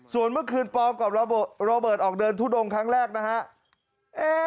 ส่วนเมื่อคืนปอลกับโรเบิร์ตออกเดินทุดงครั้งแรกนะฮะ